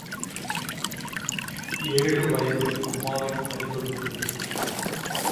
ஏழு வயதில் அம்மாவைப் பறி கொடுத்தது.